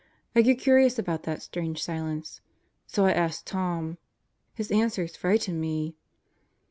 I grew curious about that strange silence; so I asked Tom. His answers frighten me."